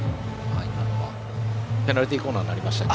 ペナルティーコーナーになりましたね。